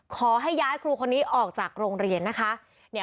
ขอให้ย้ายครูคนนี้ออกจากโรงเรียนนะคะ